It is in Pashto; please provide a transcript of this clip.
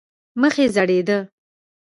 مخ یې زېړېده.